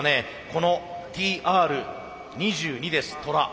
このＴＲ２２ですトラ。